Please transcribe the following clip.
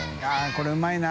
これうまいな。